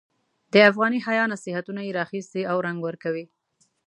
د افغاني حیا نصیحتونه یې را اخیستي او رنګ ورکوي.